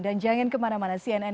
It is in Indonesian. dan jangan kemana mana cnn